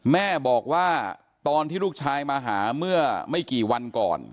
แม่บอกว่าตอนที่ลูกชายมาหาเมื่อไม่กี่วันก่อน